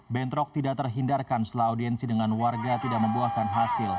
bentrok tidak terhindarkan selaudiensi dengan warga tidak membuahkan hasil